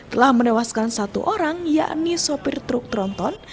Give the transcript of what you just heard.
telah menewaskan satu orang yakni sopir truk tronton